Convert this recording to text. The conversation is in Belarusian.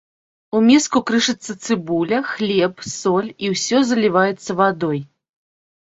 У міску крышыцца цыбуля, хлеб, соль і ўсё заліваецца вадой.